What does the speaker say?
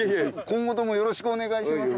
今後ともよろしくお願いします。